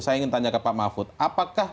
saya ingin tanya ke pak mahfud apakah